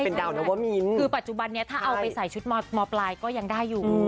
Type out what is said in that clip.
นัวว่ามินใช่ไหมฉันจำได้